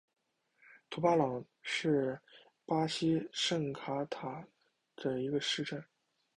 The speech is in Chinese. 图巴朗是巴西圣卡塔琳娜州的一个市镇。